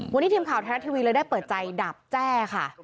วันนี้ทีมข่าวไทยรัฐทีวีเลยได้เปิดใจดาบแจ้ค่ะ